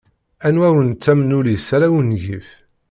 Anwa ur nettamen ul-is ala ungif.